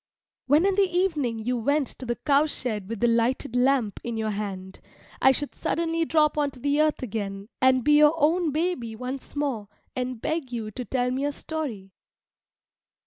When in the evening you went to the cow shed with the lighted lamp in your hand, I should suddenly drop on to the earth again and be your own baby once more, and beg you to tell me a story.